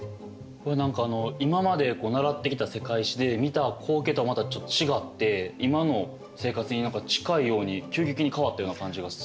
これ何かあの今まで習ってきた世界史で見た光景とはまたちょっと違って今の生活に何か近いように急激に変わったような感じが。